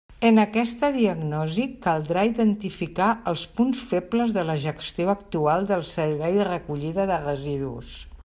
En aquesta diagnosi caldrà identificar els punts febles de la gestió actual del servei de recollida de residus.